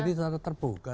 dari mana tadi sudah terbuka